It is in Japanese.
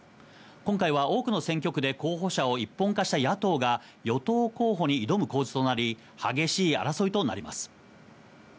今回は多くの選挙区で候補者を一本化した野党が与党候補に挑む構図となり激しい争いとなります。